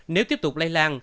nếu tiếp tục lây lan